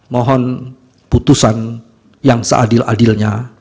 mohon putusan yang seadil adilnya